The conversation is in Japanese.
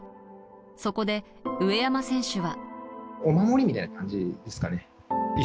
そこで上山選手は。